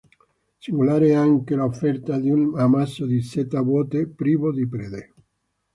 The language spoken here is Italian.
Singolare è anche l'offerta di un ammasso di seta vuoto, privo di prede.